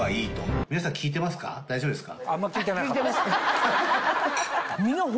大丈夫ですか？